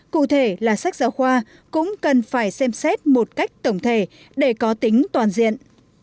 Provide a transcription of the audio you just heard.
cụ thể là sách giáo khoa cũng cần phải xem xét một cách tổng thể để có tính toàn diện